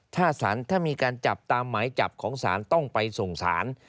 ถ้ามีการจับตามหมายจับของศาลต้องไปส่งสาร